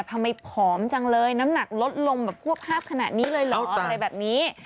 ผอมจังเลยน้ำหนักลดลงแบบควบภาพขนาดนี้เลยเหรออะไรแบบนี้